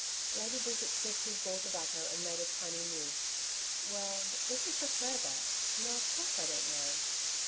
Lady Bridget sniffed his raw tobacco and made a tiny moue. 'Well, if you prefer that No, of course I don't mind.